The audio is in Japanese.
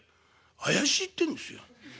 怪しいってんですよ。